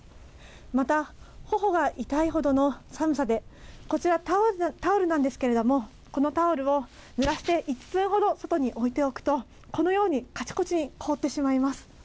またほほが痛いほどの寒さでこちらタオルなんですけれどもこのタオルをぬらして１分ほど外に置いておくと、このようにかちこちに凍ってしまいます。